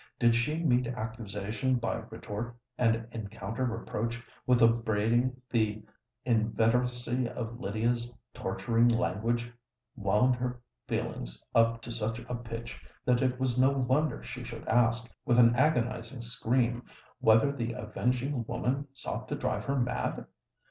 Did she meet accusation by retort, and encounter reproach with upbraiding, the inveteracy of Lydia's torturing language wound her feelings up to such a pitch that it was no wonder she should ask, with an agonising scream, whether the avenging woman sought to drive her mad?